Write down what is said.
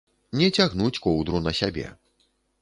Не цягнуць коўдру на сябе.